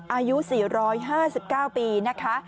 อายุ๔๕๙ปีนะคะ